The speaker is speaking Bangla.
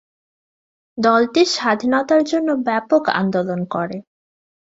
দলটি স্বাধীনতার জন্য ব্যাপক আন্দোলন করে।